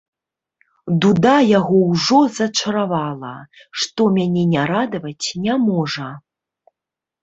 Дуда яго ўжо зачаравала, што мяне не радаваць не можа!